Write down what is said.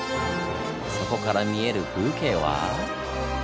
そこから見える風景は？